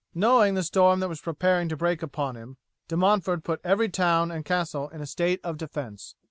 "Knowing the storm that was preparing to break upon him, De Montford put every town and castle in a state of defence.